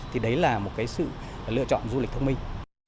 thì đấy là một cái sự lựa chọn du lịch thông minh